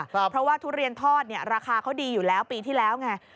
เพราะว่าทุเรียนทอดเนี่ยราคาเขาดีอยู่แล้วปีที่แล้วไง